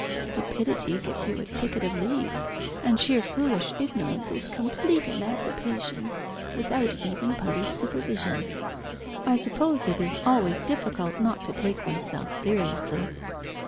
Stupidity gives you a ticket of leave, and sheer foolish ignorance is complete emancipation, without even police supervision." "I suppose it is always difficult not to take oneself seriously."